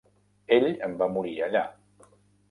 Ell va morir allà.